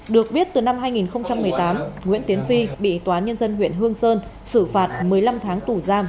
được biết từ năm hai nghìn một mươi tám nguyễn tiến phi bị tòa nhân dân huyện hương sơn xử phạt một mươi năm tháng tù giam